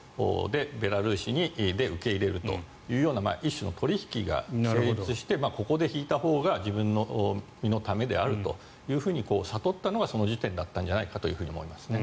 ベラルーシで受け入れるというような一種の取引が成立してここで引いたほうが自分の身のためであると悟ったのがその時点だったんじゃないかと思いますね。